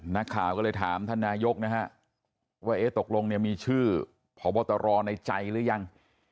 นักข่าก็เลยถามท่านนายกว่าตกลงมีชื่อผ่อบอตรอในใจหรือยัง